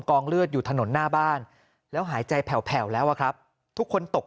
กองเลือดอยู่ถนนหน้าบ้านแล้วหายใจแผ่วแล้วอะครับทุกคนตก